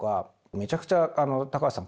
めちゃくちゃ高橋さん